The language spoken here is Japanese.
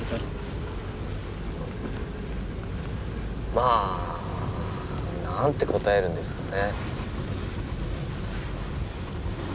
まあなんて答えるんですかね。